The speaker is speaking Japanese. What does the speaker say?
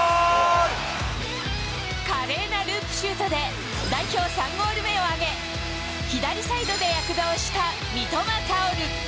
華麗なループシュートで、代表３ゴール目を挙げ、左サイドで躍動した三笘薫。